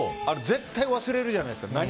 絶対に忘れるじゃないですか。